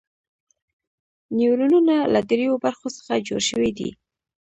نیورونونه له دریو برخو څخه جوړ شوي دي.